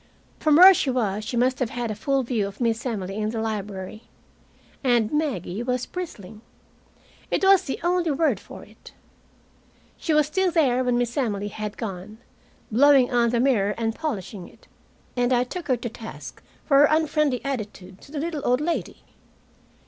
From where she was she must have had a full view of Miss Emily in the library. And Maggie was bristling. It was the only word for it. She was still there when Miss Emily had gone, blowing on the mirror and polishing it. And I took her to task for her unfriendly attitude to the little old lady.